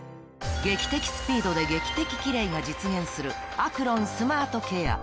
劇的スピードで劇的キレイが実現するアクロンスマートケア